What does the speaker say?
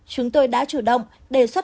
chúng tôi đã chủ động đề xuất